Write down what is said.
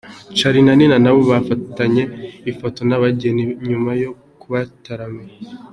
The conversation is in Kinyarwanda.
Charly&Nina nabo bafatanye ifoto n'abageni nyuma yo kubataramira.